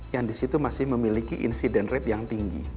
yang di situ masih memiliki insident rate yang tinggi